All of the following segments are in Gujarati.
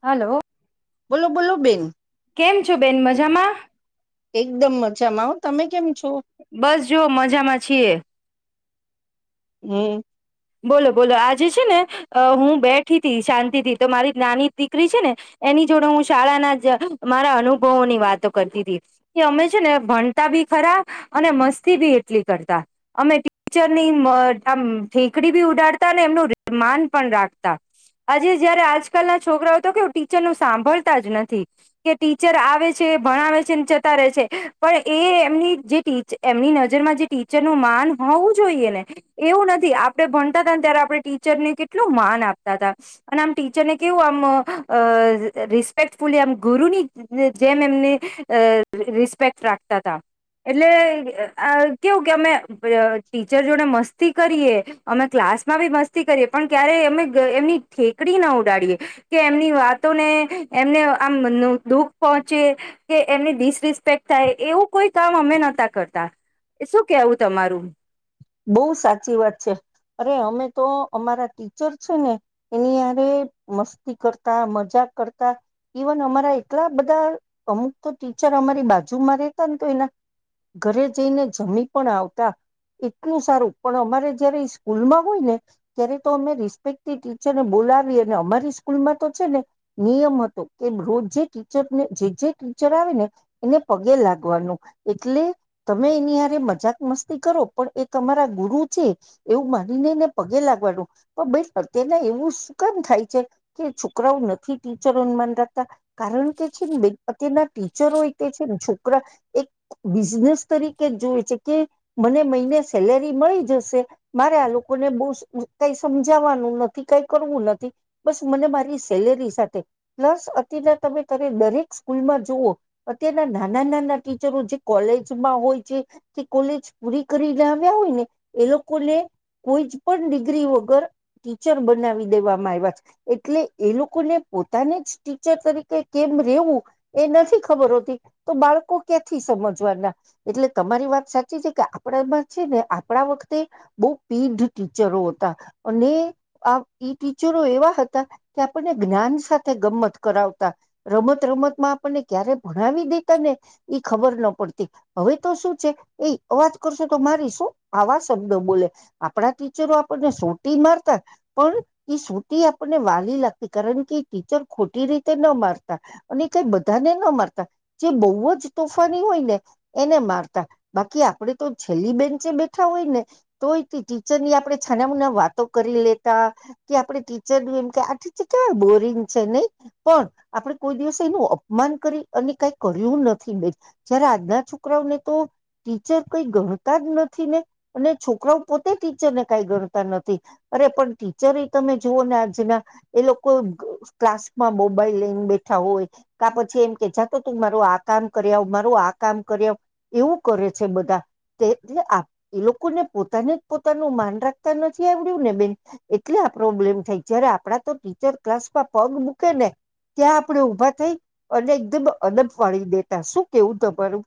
હલો બોલો બોલો બેન કેમ છો બેન મજામાં એકદમ મજા મા તમે કેમ છો? બસ જો મજામાં છીએ હમ બોલો બોલો આજે છે ને હું બેઠી હતી શાંતિથી તો મારી નાની દીકરી છે ને એની જોડે હું શાળાના જ મારા અનુભવોની વાતો કરતી હતી કે અમે છે ને ભણતા બી ખરા અને મસ્તી બી એટલી કરતા અમે ટીચરની આમ ઠેકડી બી ઉડાડતા ને એમનું માન પણ રાખતા આજે જયારે આજકાલના છોકરાઓ તો કેવું ટીચરનું સાંભળતા જ નથી કે ટીચર આવે છે ભણાવે છે જતા રહે છે પણ એ એમની જે ટી એમની નજરમાં જે ટીચરનું માન હોવું જોઈએ ને એવું નથી આપણે ભણતા હતાને ત્યારે આપણે ટીચરને કેટલું માન આપતા હતા અને આમ ટીચરને કેવું આમ અ રિસ્પેક્ટફુલી આમ ગુરુની જેમ એમને અ રિસ્પેક્ટ રાખતા તા એટલે કેવું કે અમે અ ટીચર જોડે મસ્તી કરીએ અમે ક્લાસ માં બી મસ્તી કરીએ પણ ક્યારે અમે એમની ઠેકડી ના ઉડાડીએ કે એમની વાતોને એમને આમ દુઃખ પહોંચે કે એમની ડિસ રિસ્પેક્ટ થાય એવું કોઈ કામ અમે નતા કરતા શું કેવું તમારું બોવ સાચી વાત છે અરે અમે તો અમારા ટીચર છે ને એનીયારે મસ્તી કરતા મજાક કરતા ઈવન અમારા એટલા બધા અમુક તો ટીચર અમારી બાજુમાં રહેેતા ને તો એના ઘરે જઈને જમી પણ આવતા એટલું સારું પણ અમારે જયારે સ્કૂલમાં હોય ને ત્યારે તો અમે રિસ્પેક ટીચરને બોલાવી અને અમારી સ્કૂલમાં તો છે ને નિયમ હતો કે રોજ જે ટીચરને જે જે ટીચર આવે ને એને પગે લાગવાનું એટલે તમે એનીહારે મજાક મસ્તી કરો પણ એ તમારા ગુરુ છે એવું માનીને એને પગે લાગવાનું પણ બે અત્યના એવું સુકામ થાય છે કે છોકરાઓ નથી ટીચરો માનતાતા કારણ કે છે ને બેન અત્યારના ટીચરો તે છે ને છોકરા એક બિઝનેસ તરીકે જ જોવે છે કે મને સેલેરી મળી જશે મારે આ લોકોને બો કઈ સમજાવાનું નથી કઈ કરવું નથી બસ મને મારી સેલેરી સાથે પ્લસ અત્યારે તમેરે દરેક સ્કૂલમાં જુઓ અત્યારના નાના નાના ટીચરો જે કોલેજમાં હોય છે કે કોલેજ પૂરી કરી ના આવ્યા હોય ને એ લોકોને કોઈ જ પણ ડિગ્રી વગર ટીચર બનાવી દેવામાં આવ્યા છે એટલે એ લોકોને પોતાને જ ટીચર તરીકે કેમ રેવું એ નથી ખબર હોતી તો બાળકો ક્યાંથી સમજવાના એટલે તમારી વાત સાચી છે કે આપણામાં છે ને આપણા વખતે બો પીઢ ટીચરો હતા અને આ ટીચરો એવા હતા કે આપણને જ્ઞાન સાથે ગમમત કરાવતા રમત રમતમાં આપણને ક્યારે ભણાવી દે તાને ખબર ન પડતી હવે તો શું છે એ અવાજ કરવું તો મારીશું આવા શબ્દો બોલે આપણા ટીચરો આપણને સોટી મારતા પણ એ સોટી આપણને વાલી લાગતી કારણ કે ટીચર ખોટી રીતે ન મારતા અને કઈ બધાને ના મારતા જે બહુ જ તોફાની હોય ને એને મારતા બાકી આપણે તો છેલ્લી બેન્ચે બેઠા હોય ને તો એ ટીચરની આપણે છાનામુના વાતો કરી લેતા કે આપણે ટીચરનું એમ કે આ ટીચર કેવાય બોરિંગ છે નહી પણ આપણે કોઈ દિવસે એનું અપમાન કરી અને કઈ કર્યું નથી બેન જયારે આજના છોકરાઓને તો ટીચર કઈ ગણતા જ નથી ને અને છોકરાઓ પોતે ટીચરને કાઈ ગણતા નથી અરે પણ ટીચર એ તમે જુઓ ને આજના એ લોકો ક્લાસમાં મોબાઈલ લઈને બેઠા હોય કા પછી એમ કે જાતો તું મારું આ કામ કર્યા આવ મારું આ કામ કર્યા આવી એવું કરે છે બધા એટલે એ લોકોને પોતાને જ પોતાનું માન રાખતા નથી આવડ્યું ને બેન એટલે આ પ્રોબ્લેમ થાય જયારે આપણા તો ટીચર ક્લાસમાં પગ મૂકે ને ત્યાં આપણે ઉભા થઈ અને એકદમ અડપ પાડી દેતા શું કેવું તમારું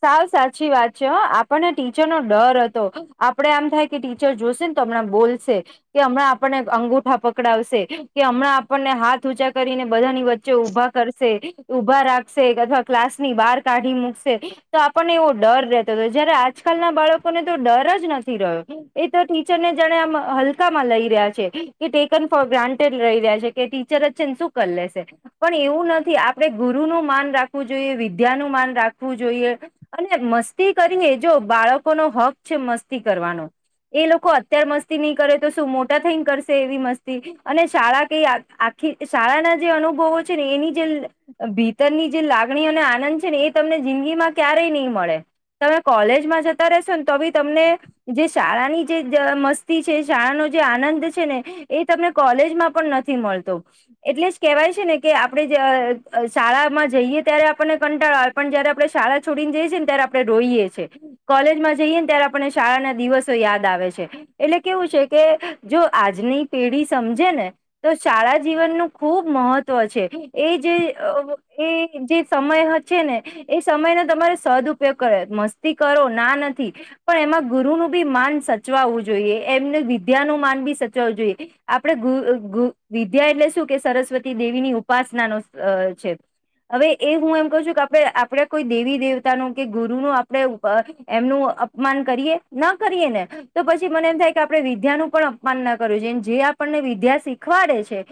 સાવ સાચી વાત છે હ આપણને ટીચરનો ડર હતો આપડે એમ થાય કે ટીચર જોશે ને તો હમણાં બોલશે કે હમણાં આપણને અંગુઠા પકડાવશે કે હમણાં આપણને હાથ ઊંચા કરીને બધાની વચ્ચે ઊભા કરશે ઊભા રાખશે અથવા ક્લાસની બહાર કાઢી મૂકશે તો આપણને એવો ડર રહેતો હતો જયારે આજકાલના બાળકોને તો ડર જ નથી રહ્યો એ તો ટીચરને જાણે આમ હલકામાં લઈ રહ્યા છે કે ટેકન ફોર ગ્રાન્ટેડ રહી રહ્યા છે કે ટીચર જ છેને શું કરી લેશે પણ એવું નથી આપણે ગુરુનું માન રાખવું જોઈએ વિદ્યાનું માન રાખવું જોઈએ. અને મસ્તી કરીએ જો બાળકોનો હક છે મસ્તી કરવાનો એ લોકો અત્યારે મસ્તી નહી કરે તો શું મોટા થઈ ને કરશે એવી મસ્તી અને શાળા કઈ આખી શાળાના જે અનુભવો છે ને એની જે ભીતરની જે લાગણી અને આનંદ છે ને એ તમને જિંદગીમાં ક્યારેય નહી મળે તમે કોલેજમાં જતા રહેશો ને તો બી તમને જે શાળાની જે મસ્તી છે શાળાનો જે આનંદ છે ને એ તમને કોલેજમાં પણ નથી મળતો એટલે જ કેહેવાય છે ને કે આપણે અ શાળામાં જઈએ ત્યારે આપણને કંટાળો આવે પણ જયારે આપણે શાળા છોડીને જઈ છે ને ત્યારે આપણે રોએ છે કોલેજમાં જઈએ ને ત્યારે આપણે શાળા ના દિવસો યાદ આવે છે એટલે કેવું છે કે જો આજની પેઢી સમજે ને તો શાળા જીવનનું ખૂબ મહત્વ છે એ જે એ જે સમય છે ને એ સમયનો તમારે સદયોગ કર મસ્તી કરો ના નથી પણ એમાં ગુરુ નું બી માન સચવાવું જોઈએ એમને વિદ્યા નું માન બી સચવું જોઈએ આપણે વિદ્યા એટલે શું કે સરસ્વતી દેવીની ઉપાસના ન અ છે હવે એ હું એમ કહ છું કે આપણે કોઈ દેવી દેવતાનું કે ગુરુ નુ આપણે અ એમનું અપમાન કરીએ ના કરીએ ને તો પછી મને એમ થાય કે આપણે વિદ્યાનું પણ અપમાન ના કરવું જોઈએ જે આપણને વિદ્યા શીખવાડે છે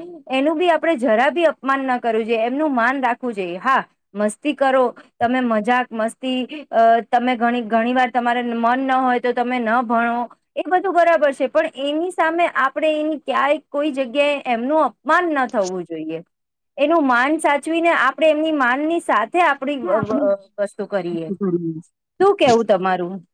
એનું બી આપણે જરા બી અપમાન ના કરવું જોઈએ એમનું માન રાખવું જોઈએ હા મસ્તી કરો તમે મજા મસ્તી અ તમે ધણી ઘણી વાર તમારે મન ન હોય તો તમે ન ભણો એ બધું બરાબર છે પણ એની સામે આપણે એની ક્યાંય કોઈ જગ્યાએ એમનું પમાન થવું જોઈએ. એનું માન સાચવી ને આપણે એમની માન ની સા થે આપણી [unintelligible] તો કરીએ આપડે શું કેવું તમારું [inaudible]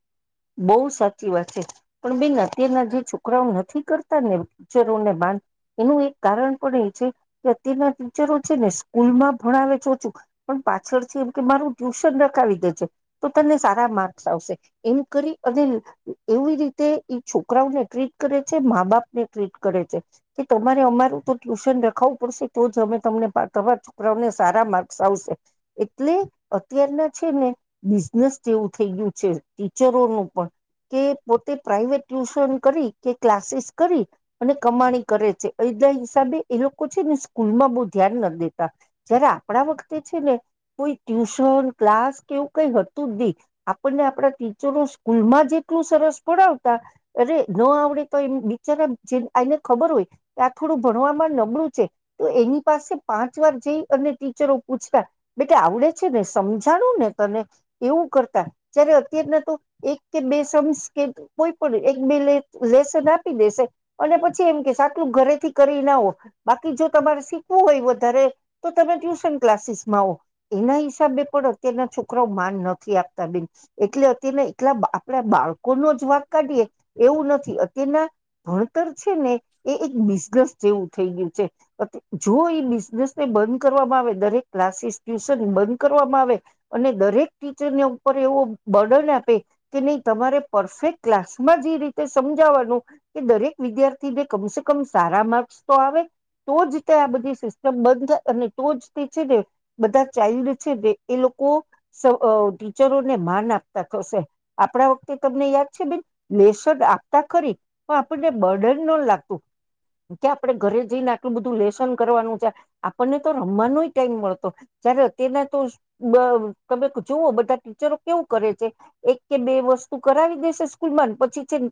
બોવ સાચી વાત છે પણ બેન અત્યારના જે છોકરાઓ નથી કરતા ને ટીચરોને બાંધ એનું એક કારણ પણ એ છે કે અત્યારના ટીચરો છે ને સ્કૂલમાં ભણાવે ચોચું પણ પાછળથી એમ કે મારું ટ્યુશન રખાવી દે છે તો તને સારા માર્ક્સ આવશે એમ કરી અને એવી રીતે એ છોકરાઓને ટ્રીટ કરે છે મા બાપ ને ટ્રીટ કરે છે કે તમારે અમારું તો ટ્યુશન રખાવું પડશે તો જ અમે તમને તમાવા છોકરાઓને સારા માર્ક્સ આવશે એટલે અત્યારના છે ને બિઝનેસ જેવું થઈ ગયું છે. ટીચરોનું પણ કે પોતે પ્રાઈવેટ ટ્યુશન કરી કે ક્લાસીસ કરી અને કમાણી કરે છે એદ હિસાબે એ લોકો છે ને સ્કૂલમાં બો ધ્યાન ના દેતા જય્યારે આપણા વખતે છે ને કોઈ ટ્યુશન ક્લાસ કેવું કઈ હતું જ ની આપણને આપણા ટીચરો સકૂલમાં જે એટલું સરસ પડાવતા અરે ન આવડે તો એમ બિચારા જે આને ખબર હોય કે આ થોડું ભણવામાં નબળું છે તો એની પાસે પાંચ વાર જઈ અને ટીચરો પૂછ્યા બેટા આવડે છે ને સમજાણું ને તને એવું કરતા જ્યારે અત્યારના એક કે બે સમ કે કોઈ પણ એક બે લેસન આપી દેશે અને પછી એમ કે સાટલું ઘરેથી કરી ના આવો બાકી જો તમારે શીખવું હોય વધારે તો તમે ટ્યુશન ક્લાસીસ માં હો એના હિસાબે પણ અત્યારના છોકરાઓ માન નથી આપતા બેન એટલે એટલા આપણા બાળકોનો જ વાક કાઢીએ એવું નથી અત્યના ભણતર છે ને એ એક બિઝનેસ જેવું થઈ ગયું છે જો એ બિઝનેસને બંધ કરવામાં આવે દરેક ક્લાસીસ ટ્યુશન બંધ કરવામાં આવે અને દરેક ટીચરને ઉપર એવો બર્ડન આ કે નહી તમારે પરફેક્ટ ક્લાસમાં જ એ રીતે સમજાવવાનું કે દરેક વિદ્યાર્થીને કમસે કમ સારા માર્ક્સ તો આવે તો જ તે આ બધી સિસ્ટમ બંધ થાય અને તો જ તે છે ને બધા ચઇલ્ડ છે એ લોકો સ અ ટીચરોને માન આપતા થશે આપણા વખતે તમને યાદ છે બેન લે આપતા ખરી પણ આપણને બર્ડન ન લાગતું કે આપડે ઘરે જઈને આટલું બધું લેસન કરવાનું છે આપણને તો રમવાનો ટાઈમ મળતો જય્યારે અત્યારના તો બ તમે જોવ બધા ટીચરો કેવું કરે છે. એક કે બે વસ્તુ કરાવી દેશે સ્કૂલ માં પછી છેન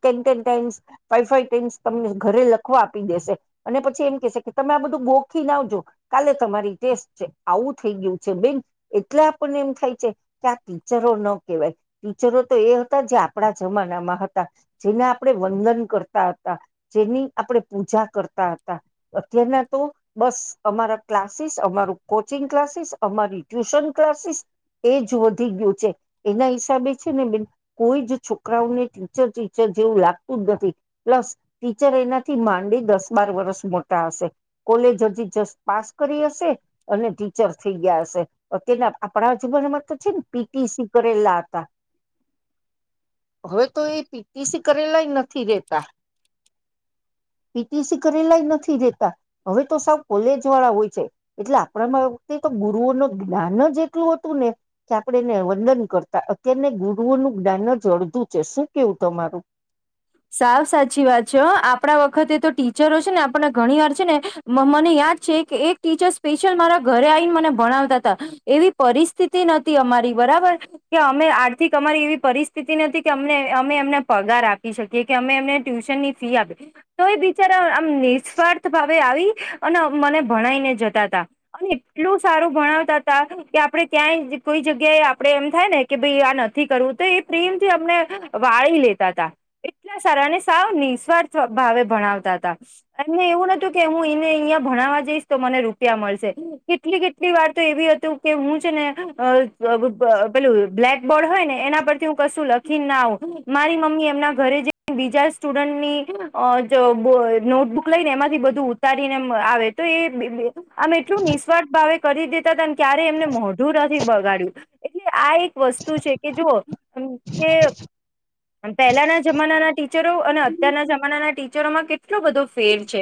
[unintelligible] તમને ઘરે લખવા આપી દેશે અને પછી એમ કે કે તમે આ બધું ગોખીને આવજો કાલે તમારી ટેસ્ટ છે આવું થઈ ગયું છે બેન એટલે આપને એમ થાય છે કે આ ટીચરો ન કેહેવાય ટીચરો તો એ હતા જે આપણા જમાનામાં હતા જેના આપણે વંદન કરતા હતા જેની આપણે પૂજા કરતા હતા અત્યારના તો બસ અમારા ક્લાસીસ અમારું કોચિંગ ક્લાસીસ અમારી ટ્યુશન ક્લાસીસ એ જ વધી ગયું છે એના હિસાબે છે ને બેન કોઈ જ છોકરાઓને ટીચર ટીચર જેવું લાગતું જ નથી પ્લસ ટીચર એનાથી માંડી દસ બાર વરષ મોટા હશે કોલેજ હજી જસ્ટ પાસ કરી હશે અને ટીચર થઈ ગયા હશે અત્યારના આપણા જીવનમાં તો છે ને પીટીસી કરેલા હતા. હવે તો એ પીટીસી કરેલાય નથી રેતા પીટીસી કરેલાય નથી રેતા હવે તો સાવ કોલેજ વાળા હોય છે એટલે આપણામાં વખતે તો ગુરુઓનું જ્ઞાન જ એટલું હતું ને કે આપણેે એને વંદન કરતા તેને ગુરુઓનું જ્ઞાન જ અડધું છે શું કેવું તમારું સાવ સાચી વાત છે હ આપડા વખતે તો ટીચરો છે ને આપને ઘણી વાર છે ને મને યાદ છે કે એક ટીચર સ્પેશિયલ મારા ઘરે આઈને મને ભણાવતા તા એવી પરિસ્થિતિ નથી અમારી બરાબર કે અમે આર્થિક અમારી એવી પરિસ્થિતિ નથી કે અમને અમે એમને પગાર આપ પી શકીએ કે અમે એમને ટ્યુશનની ફી આપ તો એ બિચારા નિસ્વાર્થ ભાવે આવી. અને મને ભણાઈને જતા તા અને એટલું સારું ભણાવતા ત કે આપડે ક્યાંય કોઈ જગ્યાએ આપડે એમ થાય ને કે ભાઈ આ નથી કરવું તો એ પ્રેમથી અને વાળી લેતા તા. એટલા સારા અને સાવ નિસ્વાર્થ ભાવે ભણાવતા હતા એમને એવું નતું કે હું એને અહયા ભણાવવા જઈશ તો મને રૂપિયા મળશે કેટલી કેટલી વાર તો એવી હતુ કે હું છે ને અ [unintelligible] પેલું બ્લેક બળ હોય ને એના પરથી હું કશું લખીને ના આવ મારી મમ્મી એમના ઘરે જે બીજા સ્ટુડન્ટની નોટબુક લઈને એમાંથી બધું ઉતારીને આવે તો એ આમ એટલું નિઃસ્વાર્થ ભાવે કરી દતા તાન ક્યારે એમને મોઢું નથી બગાડ્યું. એટલે આ એક વસ્તુ છે કે જો કે પહેલાના જમાનાના ટીચરો અને અત્યારના જમાના ટીચરોમાં કેટલો બધો ફેર છે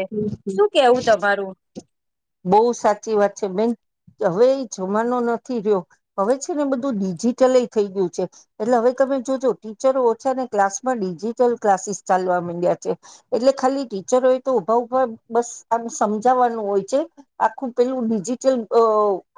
શું કેવું તમારું બઉ સાચી વાત છે બેન. હવે જમાનો નથી રહ્યો હવે છે ને બધું ડિજિટલય થઈ ગયું છે એટલે હવે તમે જોજો ટીચરો ઓછા ને ક્લાસમાં ડિજિટલ ક્લાસીસ ચાલવા માંડ્યા છે એટલે ખાલી ટીચરો તો ઉભા ઉભા બસ આમ સમજાવાનું હોય છે આખું પેલું ડિજીિટલ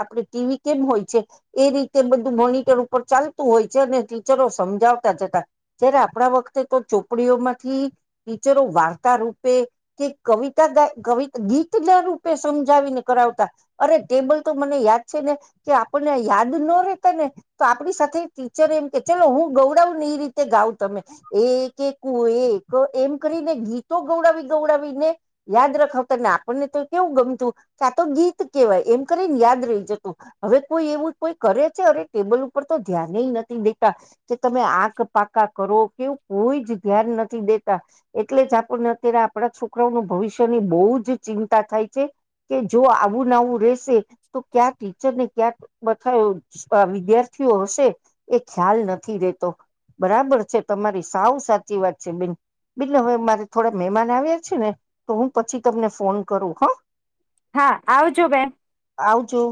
આપડે ટીવી કેમ હોય છે એ રીતે બધું મોનિટર ઉપર ચાલતું હોય છે ને ટીચરો સમજાવતા જતા જ્યારે આપડા વખતે તો ચોપડીઓમાંથી ટીચરો વાર્તા રૂપે કે કવિતા ગા કવિ ગીતના રૂપે સમજાવીને કરાવતા અરે ટેબલ તો મને યાદ છે ને કે આપણને યાદ ન રેતા ને તો આપડી સાથે ટીચર એમ કે ચલો હું ગૌડાવ ને એ રીતે ગાવ તમે એકે કુ એક એમ કરીને ગીતો ગૌડાવી. ગવડાવીને યાદ રખાવતા ને આપણને તો કેવું ગમતું કે આ તો ગીત કેવાય એમ કરીને યાદ રહી જતું હવે કોઈ એવું કોઈ કરે છે અરે ટેબલ ઉપર તો ધ્યાનેય નથી દેતા કે તમે આંખ પાકા કરો કેવું કોઈ જ ધ્યાન નથી દેતા એટલે જ આપને અત્યારે પડા છોકરાઓ નું ભવિષ્યની બઉ જ ચિંતા થાય છે કે જો આવું ના આવું રેશે તો ક્યા ટીચરને ક્યાં બ વિદ્યાર્થીઓ હશે એ ખ્યાલ નથી રેતો બરાબર છે તમારી સાવ સાચી વાત છે બીન બીન હવે મારે થોડા મહેમાન આવ્યા છે ને તો હું પછી તમને ફોન કરું હા. હા આવજો બેન આવજો.